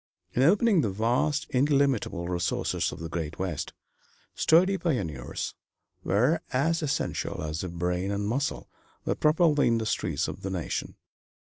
In opening the vast, illimitable resources of the great West, sturdy pioneers were as essential as the brain and muscle that propel the industries of the nation.